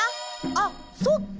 あそっか。